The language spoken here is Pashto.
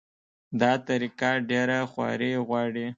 دا طریقه ډېره خواري غواړي.